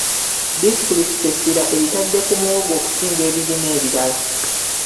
Disitulikiti essira eritadde ku muwogo okusinga ebirime ebirala.